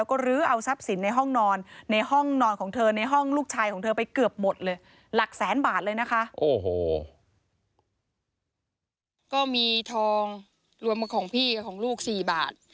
ก็มีทองรวมกับของพี่กับของลูก๔บาท